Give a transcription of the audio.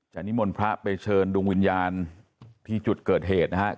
นิมนต์พระไปเชิญดวงวิญญาณที่จุดเกิดเหตุนะครับ